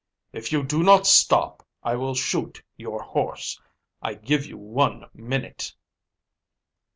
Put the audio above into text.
"If you do not stop I will shoot your horse. I give you one minute."